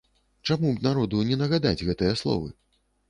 Чаму б народу не нагадаць гэтыя словы?